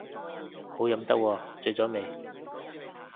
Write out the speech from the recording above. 好飲得喎，醉咗未